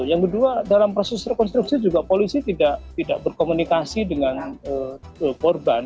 yang kedua dalam proses rekonstruksi juga polisi tidak berkomunikasi dengan korban